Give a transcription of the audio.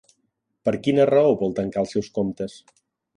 Per quina raó vol tancar els seus comptes?